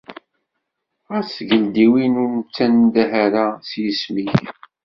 Ɣef tgeldiwin ur nettandah ara s yisem-ik!